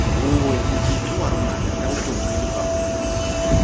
Wowe din je twar maga da jonre deban.